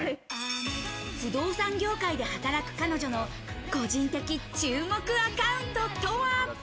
不動産業界で働く彼女の個人的注目アカウントとは。